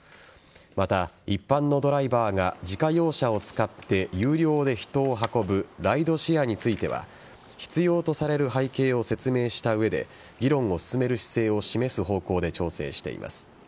また、一般のドライバーが自家用車を使って有料で人を運ぶライドシェアについては必要とされる背景を説明した上で議論を進める姿勢を示す方向で調整しています。